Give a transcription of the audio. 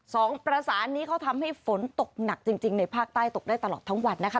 สองประสานนี้เขาทำให้ฝนตกหนักจริงในภาคใต้ตกได้ตลอดทั้งวันนะคะ